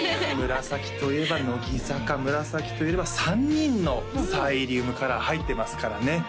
紫といえば乃木坂紫といえば３人のサイリウムカラー入ってますからね